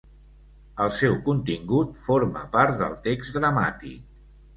El seu contingut forma part del text dramàtic.